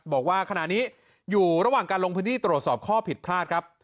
บอกว่าขณะนี้อยู่ระหว่างการลงพื้นที่ตรวจสอบข้อผิดพลาดครับ